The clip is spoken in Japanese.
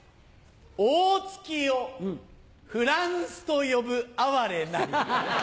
大月をフランスと呼ぶ哀れなり。